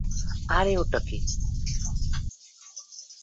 ওটা কী?